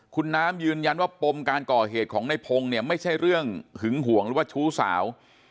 คุณน้ำยืนยันว่าปมการก่อเหตุของในพงศ์เนี่ยไม่ใช่เรื่องหึงห่วงหรือว่าชู้สาว